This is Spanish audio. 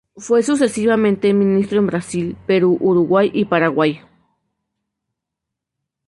Fue sucesivamente, ministro en Brasil, Perú, Uruguay y Paraguay.